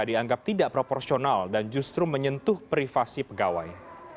dianggap tidak proporsional dan justru menyentuh privasi pegawai